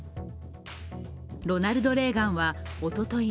「ロナルド・レーガン」はおととい